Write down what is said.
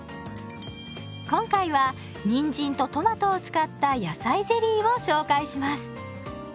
今回はにんじんとトマトを使った野菜ゼリーを紹介します。